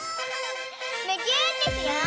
むぎゅーってしよう！